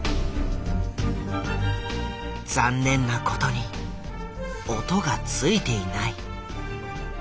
残念なことに音がついていない。